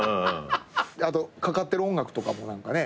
あとかかってる音楽とかも何かね